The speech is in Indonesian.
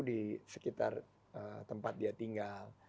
di sekitar tempat dia tinggal